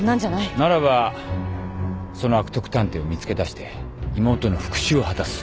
ならばその悪徳探偵を見つけだして妹の復讐を果たす。